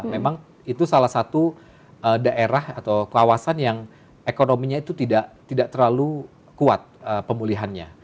memang itu salah satu daerah atau kawasan yang ekonominya itu tidak terlalu kuat pemulihannya